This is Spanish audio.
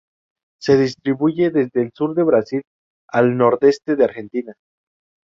Se distribuye desde el sur de Brasil al nordeste de Argentina.